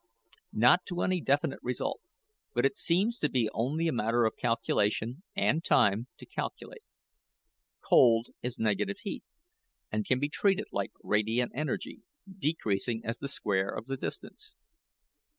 "Not to any definite result. But it seems to be only a matter of calculation, and time to calculate. Cold is negative heat, and can be treated like radiant energy, decreasing as the square of the distance."